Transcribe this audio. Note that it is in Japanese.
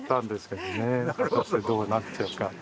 どうなっちゃうか。